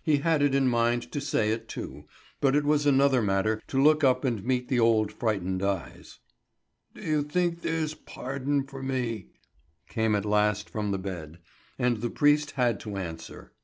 He had it in his mind to say it, too, but it was another matter to look up and meet the old, frightened eyes. "Do you think there's pardon for me?" came at last from the bed; and the priest had to answer.